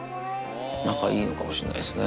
仲いいのかもしれないですね。